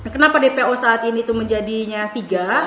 kenapa dpo saat ini itu menjadinya tiga